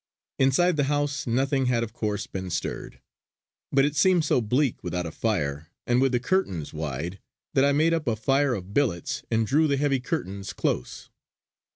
Inside the house nothing had of course been stirred; but it seemed so bleak without a fire and with the curtains wide, that I made up a fire of billets and drew the heavy curtains close.